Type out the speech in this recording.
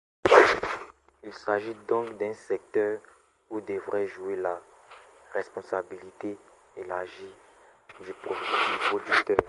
Il s'agit donc d'un secteur où devrait jouer la responsabilité élargie du producteur.